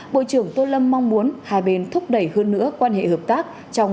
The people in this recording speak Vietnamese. bộ trưởng tô lâm mong muốn hai bên thúc đẩy hơn nữa quan hệ hợp tác trong